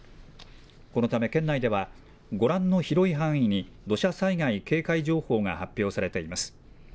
このため県内では、ご覧の広い範囲に、土砂災害警戒情報が発表されています。